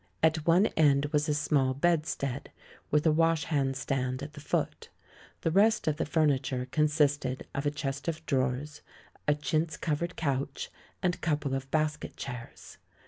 At one end was a small bedstead, with a washhand stand at the foot. The rest of the fur niture consisted of a chest of drawers, a chintz covered couch, and a couple of basket chairs.